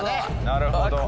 なるほど！